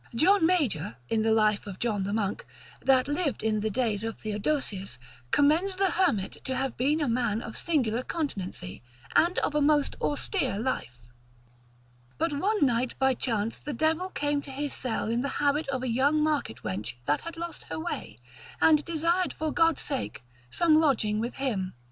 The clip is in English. John Major in the life of John the monk, that lived in the days of Theodosius, commends the hermit to have been a man of singular continency, and of a most austere life; but one night by chance the devil came to his cell in the habit of a young market wench that had lost her way, and desired for God's sake some lodging with him.